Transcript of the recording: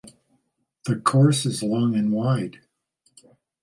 The course is long and wide.